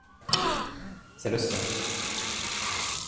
C’est le sien.